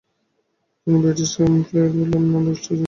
তিনি Beatrice Clare Lamb নামে এক অস্ট্রেলীয়কে বিবাহ করেন।